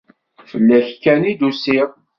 Fell-ak kan i d-usiɣ.